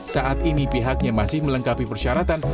saat ini pihaknya masih melengkapi persyaratan